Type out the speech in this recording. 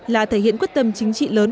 là thể hiện quyết tâm chính trị lớn